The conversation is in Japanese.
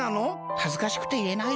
はずかしくていえないよ。